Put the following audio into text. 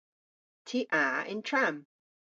Ty a yn tramm.